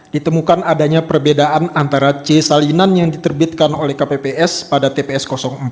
ditemukan adanya perbedaan antara c salinan yang diterbitkan oleh kpps pada tps empat